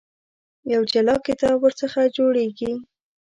یو جلا کتاب ورڅخه جوړېږي.